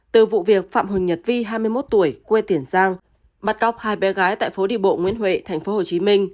từ vụ việc phạm huỳnh nhật vi hai mươi một tuổi quê tiền giang bắt cóc hai bé gái tại phố đi bộ nguyễn huệ tp hcm